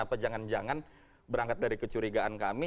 apa jangan jangan berangkat dari kecurigaan kami